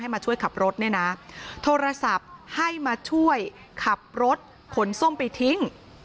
มาช่วยขับรถเนี่ยนะโทรศัพท์ให้มาช่วยขับรถขนส้มไปทิ้ง